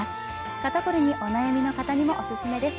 肩凝りにお悩みの方にもオススメです。